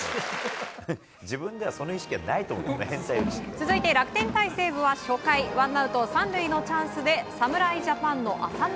続いて、楽天対西武は初回ワンアウト３塁のチャンスで侍ジャパンの浅村。